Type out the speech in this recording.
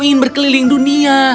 aku ingin berkeliling dunia